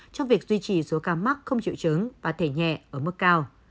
trong việc duy trì số ca mắc không triệu chứng và thể nhẹ ở mức cao